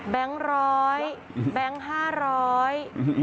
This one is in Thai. แบงค์ร้อยแบงค์ห้าร้อย